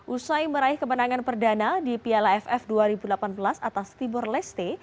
usai meraih kemenangan perdana di piala ff dua ribu delapan belas atas tibor leste